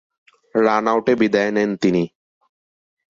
Run আউটে বিদেয় নেন তিনি।